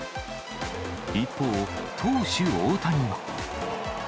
一方、投手、大谷は。